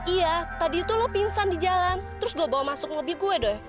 iya tadi itu lo pingsan di jalan terus gue bawa masuk mobil gue dong